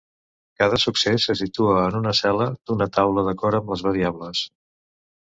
Cada succés se situa en una cel·la d'una taula d'acord amb les variables.